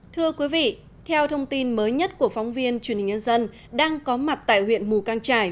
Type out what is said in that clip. thưa quý vị theo thông tin mới nhất của phóng viên truyền hình nhân dân đang có mặt tại huyện mù căng trải